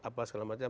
apa segala macam